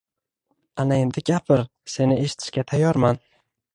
ana endi gapir, seni eshitishga tayyorman.